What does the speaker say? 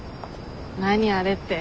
何あれって。